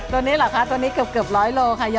ตัวนี้เหรอค่ะตัวนี้เกือบ๑๐๐กิโลเคราะห์ค่ะ